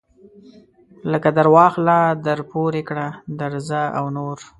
لکه درواخله درپورې کړه درځه او نور.